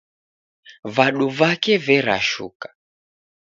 Vadu vake verashuka